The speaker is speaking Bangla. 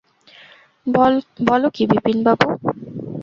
বল কী বিপিনবাবু?